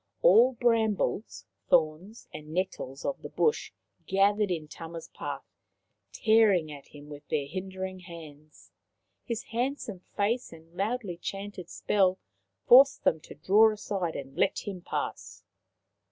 All brambles, thorns and nettles of the bush gathered in Tama's path, tearing at him with N 204 Maoriland Fairy Tales their hindering hands. His handsome face and loudly chanted spell forced them to draw aside and let him pass.